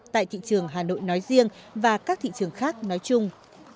tại thị trường hà nội nói riêng và các thị trường khác nói chung